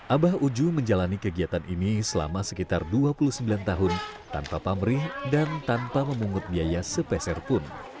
abah uju menjalani kegiatan ini selama sekitar dua puluh sembilan tahun tanpa pamrih dan tanpa memungut biaya sepeserpun